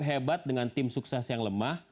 hebat dengan tim sukses yang lemah